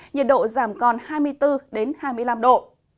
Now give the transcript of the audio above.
nhiệt độ giảm còn hai mươi bốn hai mươi năm độ